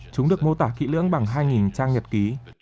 chúng được mô tả kỹ lưỡng bằng hai trang nhật ký